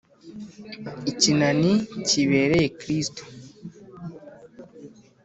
ikinani kibereye kristu